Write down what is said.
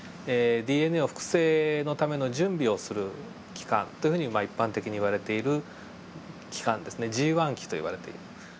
ＤＮＡを複製のための準備する期間というふうに一般的に言われている期間ですねＧ期といわれている。